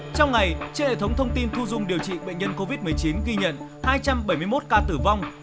trong ngày trên hệ thống thông tin thu dung điều trị bệnh nhân covid một mươi chín ghi nhận hai trăm bảy mươi một ca tử vong